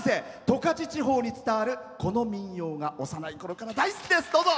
十勝地方に伝わる、この民謡が幼いころから大好きです。